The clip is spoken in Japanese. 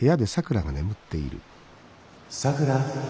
さくら。